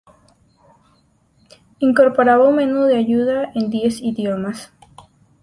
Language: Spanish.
Incorporaba un menú de ayuda en diez idiomas.